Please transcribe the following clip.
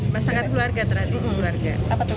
masakan keluarga terhadap keluarga